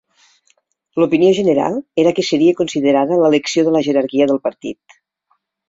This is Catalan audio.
L'opinió general era que seria considerada l'elecció de la jerarquia del partit.